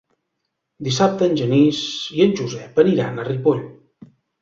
Dissabte en Genís i en Josep aniran a Ripoll.